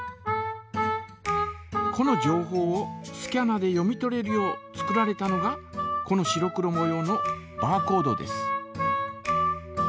この情報をスキャナで読み取れるよう作られたのがこの白黒もようのバーコードです。